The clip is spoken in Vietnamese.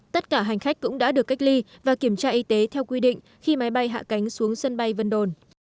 tất cả hành khách cũng đã được cách ly và kiểm tra y tế theo quy định khi máy bay hạ cánh xuống sân bay vân đồn